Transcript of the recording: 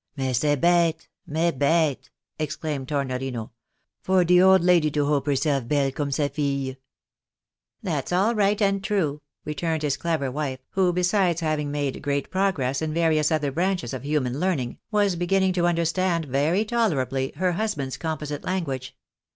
" Mais c'est bete, mais bete," exclaimed Tornorino ;" for de old lady to hope herself belle comme sa fillc !"" That's all right and true," returned his clever wife, who besides having made great progress in various other bran ches of human learn ing, was beginning to understand very tolerably her husband's com posite language.